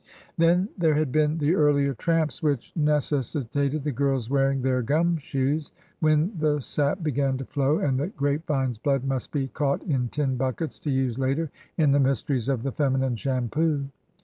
Then there had been the earlier tramps which neces sitated the girls wearing their '' gum shoes,"— when the sap began to flow and the grape vine's blood must be caught in tin buckets to use later in the mysteries of the feminine shampoo.